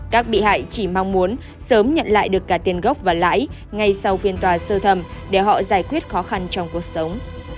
các bị hại chỉ mong muốn sớm nhận lại được cả tiền gốc và lãi ngay sau phiên tòa sơ thẩm để họ giải quyết khó khăn trong cuộc sống